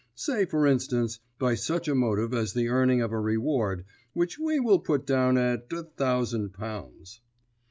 Say, for instance, by such a motive as the earning of a reward which we will put down at a thousand pounds."